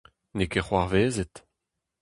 N'eo ket c'hoarvezet.